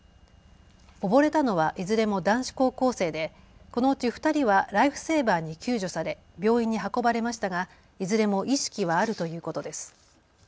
溺れたのはいずれも男子高校生でこのうち２人はライフセーバーに救助され病院に運ばれましたがいずれも意識はあるということです。